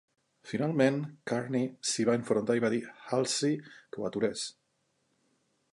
Finalment Carney s'hi va enfrontar i va dir a Halsey que ho aturés!